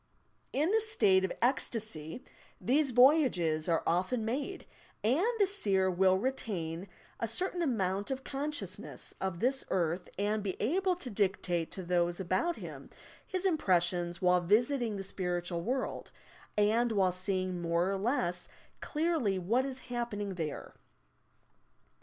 In the state of "ecstasy" these voyages are often made, and the seer will retain a certain amount of conseiousneM of this earth and be able to dictate to those about him his impressions while visiting the spiritual world, and while seeing more or less clearly what is happening there.